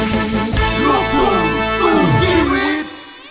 ลูกทุ่งสู้ชีวิต